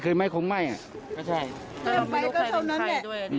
ก็ใช่ถ้าลงไปก็เฉินใครด้วย